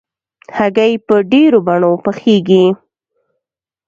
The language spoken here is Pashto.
هګۍ په ډېرو بڼو پخېږي.